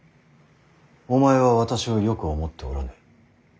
お前は私をよく思っておらぬ。